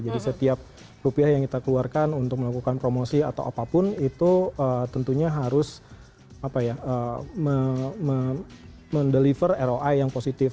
jadi setiap rupiah yang kita keluarkan untuk melakukan promosi atau apapun itu tentunya harus apa ya mendeliver roi yang positif